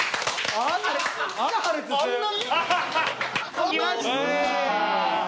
あんなに？